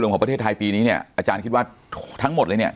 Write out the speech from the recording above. ของประเทศไทยปีนี้เนี่ยอาจารย์คิดว่าทั้งหมดเลยเนี่ย